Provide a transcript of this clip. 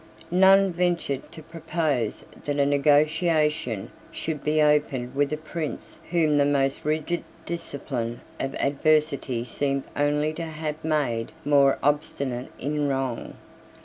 None ventured to propose that a negotiation should be opened with a prince whom the most rigid discipline of adversity seemed only to have made more obstinate in wrong.